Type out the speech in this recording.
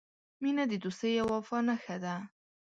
• مینه د دوستۍ او وفا نښه ده.